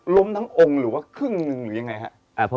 ทั้งองค์หรือว่าครึ่งหนึ่งหรือยังไงครับ